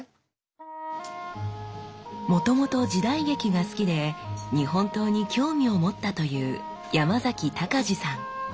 もともと時代劇が好きで日本刀に興味を持ったという山崎隆司さん。